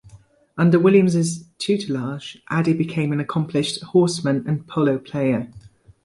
Under Williams's tutelage, Addie became an accomplished horseman and polo player.